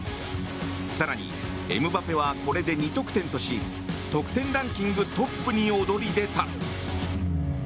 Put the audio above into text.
更に、エムバペはこれで２得点とし得点ランキングトップに躍り出た。